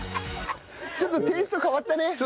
ちょっとテイスト変わったね。